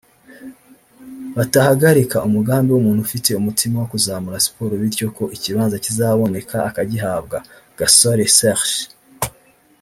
batahagarika umugambi w’umuntu ufite umutima wo kuzamura siporo bityo ko ikibanza kizaboneka akagihabwa (Gasore Serge)